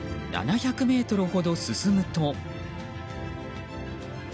７００ｍほど進むと。